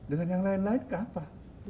dengan yang lain lain ke apa